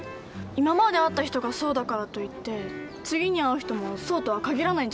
今まで会った人がそうだからといって次に会う人もそうとは限らないんじゃない？